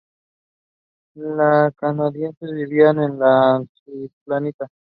La candidez vivía en la ancianita.